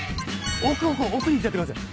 奥の方奥に行っちゃってください。